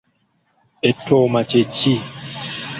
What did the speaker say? Ettooma kye ki?